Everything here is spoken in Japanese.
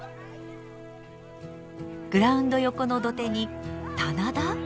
グラウンド横の土手に棚田⁉